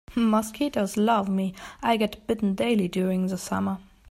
Mosquitoes love me, I get bitten daily during the summer.